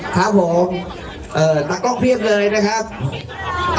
ครับผมเอ่อนักกล้องพรีชเงยนะครับมี๑ปอนมันต่อก่อน